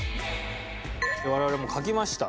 我々も書きました。